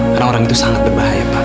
karena orang itu sangat berbahaya pak